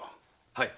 はい。